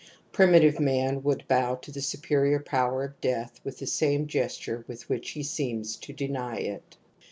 Primitive man would bDw to the superior power of death with the same gesture with which he seems to deny it.